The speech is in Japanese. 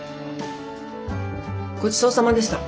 ごちそうさまでした。